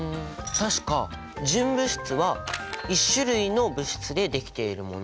確か純物質は１種類の物質でできているもの。